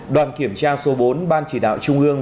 đoàn kiểm tra số bốn ban chỉ đạo trung ương